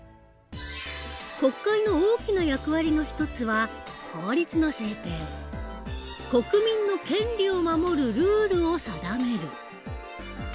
国会の大きな役割の一つは国民の権利を守るルールを定める。